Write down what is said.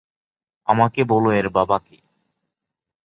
আমাকে বল এর বাবা কে!